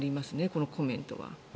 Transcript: このコメントは。